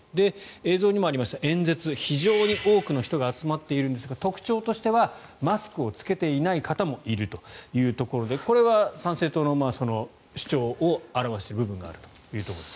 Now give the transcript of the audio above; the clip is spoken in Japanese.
映像にもありました、演説非常に多くの人が集まっているんですが、特徴はマスクを着けていない方もいるというところでこれは参政党の主張を表している部分があると。